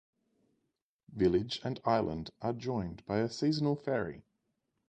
Village and island are joined by a seasonal ferry.